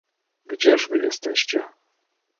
"Gdzież wy jesteście?"